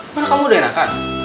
mana kamu udah enakan